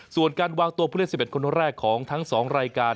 ส่วนการวางตัวผู้เล่น๑๑คนแรกของทั้ง๒รายการ